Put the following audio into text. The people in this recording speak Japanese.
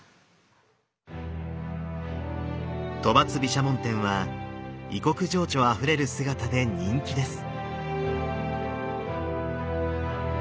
兜跋毘沙門天は異国情緒あふれる姿で人気です。